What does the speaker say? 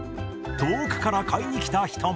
遠くから買いに来た人も。